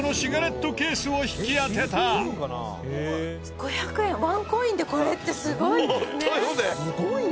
「５００円ワンコインでこれってすごいですね！」